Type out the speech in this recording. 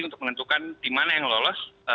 untuk menentukan di mana yang lolos